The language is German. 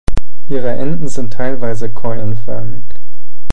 Ihre Enden sind teilweise keulenförmig.